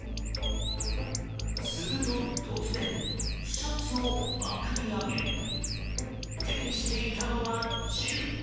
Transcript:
すると、突然シャツをまくり上げ手にしていたのは銃。